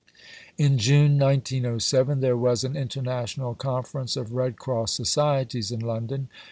In June 1907 there was an International Conference of Red Cross Societies in London.